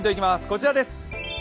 こちらです。